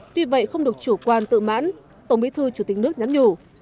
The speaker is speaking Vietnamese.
tuy vậy không được chủ quan tự mãn tổng bí thư chủ tịch nước nhắn nhủ